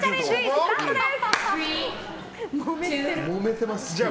スタートです。